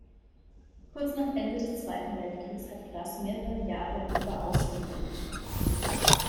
Kurz nach Ende des Zweiten Weltkriegs hat Grass mehrere Jahre in Oberaußem gelebt.